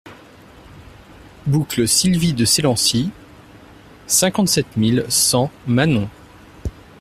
Boucle Sylvie de Selancy, cinquante-sept mille cent Manom